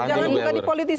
jangan juga dipolitisasi